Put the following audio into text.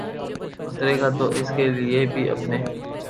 اترے گا تو اس کے لیے بھی اپنے